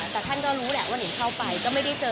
แต่ท่านก็รู้แหละว่านิงเข้าไปก็ไม่ได้เจอ